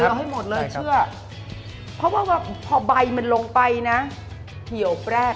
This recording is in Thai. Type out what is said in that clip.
เอาให้หมดเลยเชื่อเพราะว่าพอใบมันลงไปนะเหี่ยวแรก